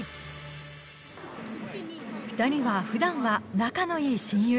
２人は、ふだんは仲のいい親友。